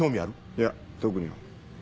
いや特には。